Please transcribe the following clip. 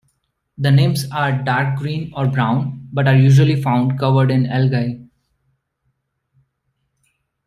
The nymphs are dark green or brown, but are usually found covered in algae.